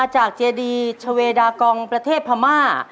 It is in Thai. เจดีชาเวดากองประเทศพม่า